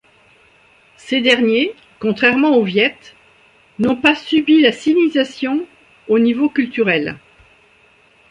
Ces derniers, contrairement aux Viêt, n'ont pas subi la sinisation au niveau culturel.